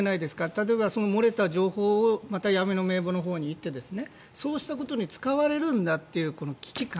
例えば漏れた情報をまた闇の名簿のほうに行ってそうしたことに使われるんだという危機感。